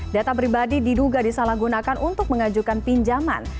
data pribadi diduga disalahgunakan untuk mengajukan pinjaman